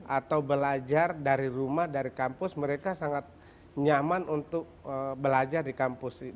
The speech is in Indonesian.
atau belajar dari rumah dari kampus mereka sangat nyaman untuk belajar di kampus